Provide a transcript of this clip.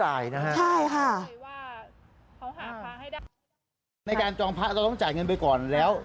ว่าเขาหาค้าให้ได้ในการจองพระเราต้องจ่ายเงินไปก่อนแล้ว